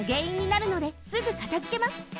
いんになるのですぐかたづけます。